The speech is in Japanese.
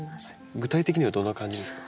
具体的にはどんな感じですか？